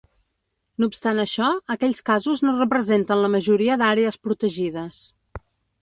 No obstant això, aquells casos no representen la majoria d'àrees protegides.